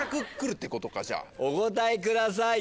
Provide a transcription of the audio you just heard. お答えください。